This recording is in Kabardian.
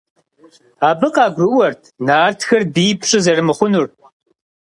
Абы къагурыӀуэрт нартхэр бий пщӀы зэрымыхъунур.